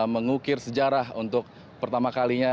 mengukir sejarah untuk pertama kalinya